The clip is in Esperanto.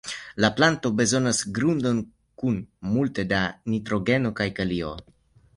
La planto bezonas grundon kun multe da nitrogeno kaj kalio.